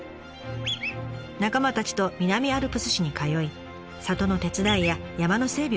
仲間たちと南アルプス市に通い里の手伝いや山の整備をしました。